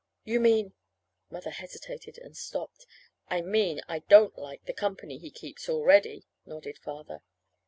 "You mean " Mother hesitated and stopped. "I mean I don't like the company he keeps already," nodded Father.